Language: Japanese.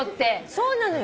そうなのよ！